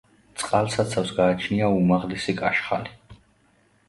წყალსაცავს გააჩნია უმაღლესი კაშხალი.